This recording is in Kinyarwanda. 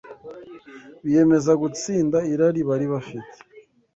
biyemeza gutsinda irari bari bafite